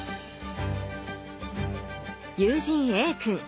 友人Ａ君。